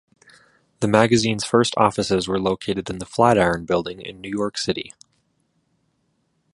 The magazine's first offices were located in the Flatiron Building in New York City.